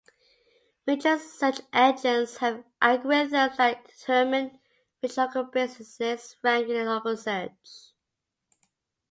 Major search engines have algorithms that determine which local businesses rank in local search.